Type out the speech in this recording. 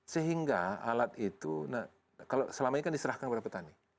sehingga alat itu kalau selama ini kan diserahkan kepada petani